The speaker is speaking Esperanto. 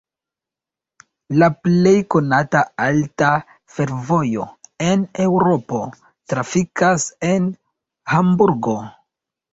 La plej konata alta fervojo en Eŭropo trafikas en Hamburgo.